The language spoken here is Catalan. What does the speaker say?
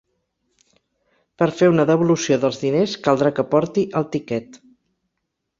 Per fer una devolució dels diners caldrà que porti el tiquet.